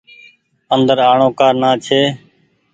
اندر آڻو ڪآ نآ ڇي۔